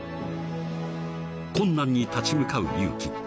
［困難に立ち向かう勇気］